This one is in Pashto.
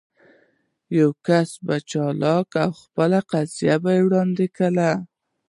يو کس په چالاکي خپله قضيه وړاندې کړي.